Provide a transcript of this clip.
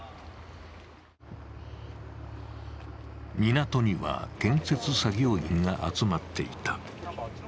港には建設作業員が集まっていた。